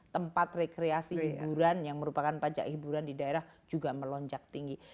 tempat rekreasi hiburan yang merupakan pajak hiburan di daerah juga melonjak tinggi